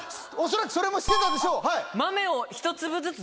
恐らくそれもしてたんでしょう。